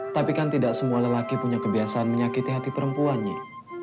tapi kan tidak semua lelaki punya kebiasaan menyakiti hati perempuannya